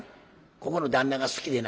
ここの旦那が好きでな。